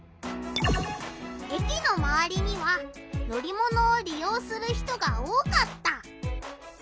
駅のまわりには乗り物をりようする人が多かった。